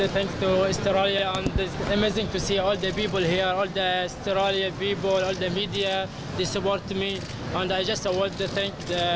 ท่านเหมือนกับพวกผมมีเก่าขนาดนี้ของชั้น